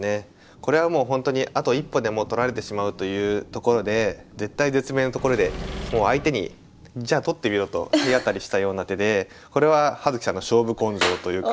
これはもうほんとにあと一歩でもう取られてしまうというところで絶体絶命のところでもう相手にじゃあ取ってみろと体当たりしたような手でこれは葉月さんの勝負根性というか。